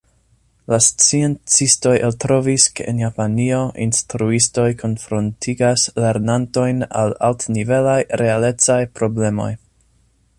La sciencistoj eltrovis, ke en Japanio instruistoj konfrontigas lernantojn al altnivelaj realecaj problemoj.